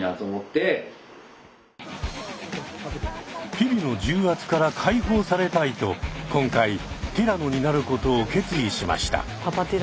日々の重圧から解放されたいと今回ティラノになることを決意しました。